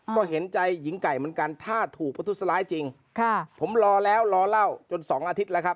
ก็เห็นใจหญิงไก่เหมือนกันถ้าถูกประทุษร้ายจริงค่ะผมรอแล้วรอเล่าจน๒อาทิตย์แล้วครับ